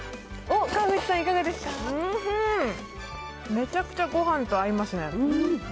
めちゃくちゃごはんと合いますね